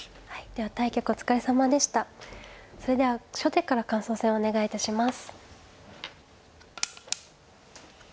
それでは初手から感想戦お願い致します。